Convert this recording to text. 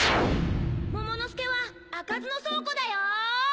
モモの助は開かずの倉庫だよ